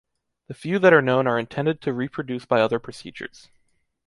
The few that are known are intended to reproduce by other procedures.